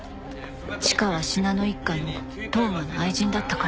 チカは信濃一家の当麻の愛人だったから。